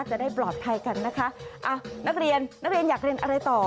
จะได้ปลอดภัยกันนะคะอ่ะนักเรียนนักเรียนอยากเรียนอะไรต่อ